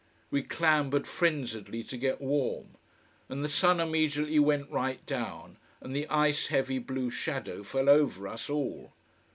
We clambered frenziedly to get warm. And the sun immediately went right down, and the ice heavy blue shadow fell over us all.